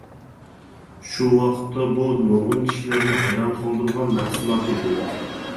شۇ ۋاقىتتا بۇ نۇرغۇن كىشىلەرنى ھەيران قالدۇرغان مەھسۇلات ئىدى.